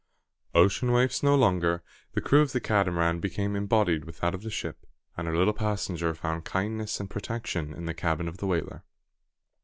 Ocean Waifs no longer, the crew of the Catamaran became embodied with that of the ship, and her little passenger found kindness and protection in the cabin of the whaler.